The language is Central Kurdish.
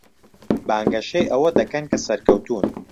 بانگەشەی ئەوە دەکەن کە سەرکەوتوون.